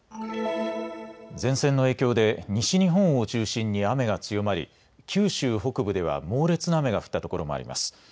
前線の影響で西日本を中心に雨が強まり九州北部では猛烈な雨が降ったところもあります。